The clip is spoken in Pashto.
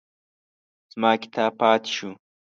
زما کتاب پاتې شو.